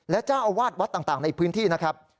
และเจ้าอาวาสวัดต่างในพื้นที่นะครับ